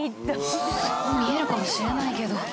そう見えるかもしれないけど。